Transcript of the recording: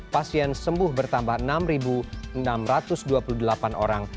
pasien sembuh bertambah enam enam ratus dua puluh delapan orang